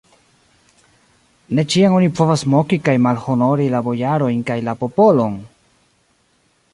Ne ĉiam oni povas moki kaj malhonori la bojarojn kaj la popolon!